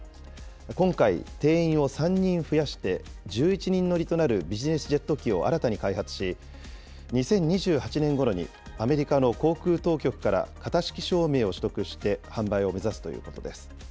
今回、定員を３人増やして、１１人乗りとなるビジネスジェット機を新たに開発し、２０２８年ごろにアメリカの航空当局から型式証明を取得して、販売を目指すということです。